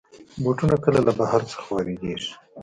بوټونه کله له بهر نه واردېږي.